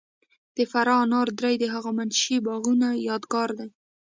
د فراه انار درې د هخامنشي باغونو یادګار دی